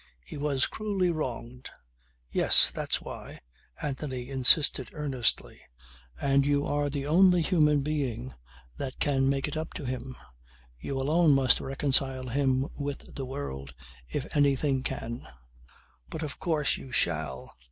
He was cruelly wronged." "Yes. That's why," Anthony insisted earnestly. "And you are the only human being that can make it up to him. You alone must reconcile him with the world if anything can. But of course you shall.